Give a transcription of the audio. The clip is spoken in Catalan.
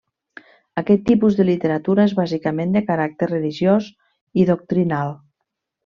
Aquest tipus de literatura és bàsicament de caràcter religiós i doctrinal.